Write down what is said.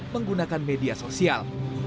menggunakan media sosial